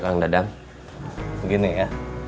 kang dadang begini ya